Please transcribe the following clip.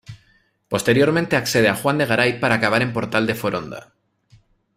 Posteriormente accede a Juan de Garay para acabar en Portal de Foronda.